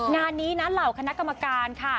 งานนี้นะเหล่าคณะกรรมการค่ะ